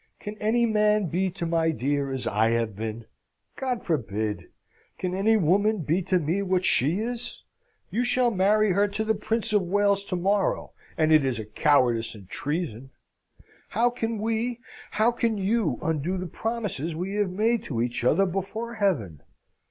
Can any man be to my dear as I have been? God forbid! Can any woman be to me what she is? You shall marry her to the Prince of Wales to morrow, and it is a cowardice and treason. How can we, how can you, undo the promises we have made to each other before Heaven?